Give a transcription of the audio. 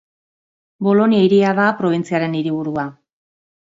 Bolonia hiria da probintziaren hiriburua.